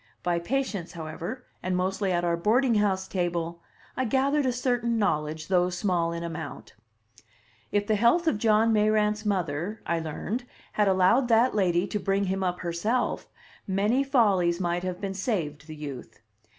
By patience, however, and mostly at our boarding house table, I gathered a certain knowledge, though small in amount. If the health of John Mayrant's mother, I learned, had allowed that lady to bring him up Herself, many follies might have been saved the youth.